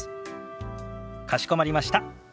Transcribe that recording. かしこまりました。